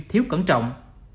thiếu cẩn trọng